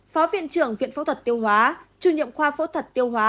phó viện trưởng viện phẫu thật tiêu hóa